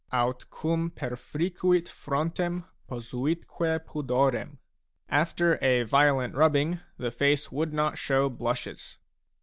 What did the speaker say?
7 aut cum perfricuit front&m posuit quepudorem. After a violent rubbing, the face would not show blushes.